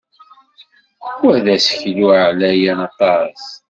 Wa d aseklu ɛlayen aṭas.